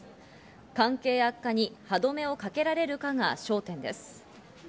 関係悪化に歯止めをかけられるかが焦点です。